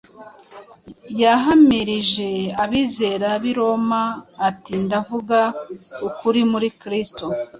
Yahamirije abizera b’i Roma ati: “Ndavuga ukuri muri Kristo,